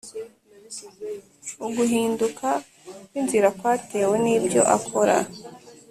Uguhinduka kw ‘inzira kwatewe nibyo akora.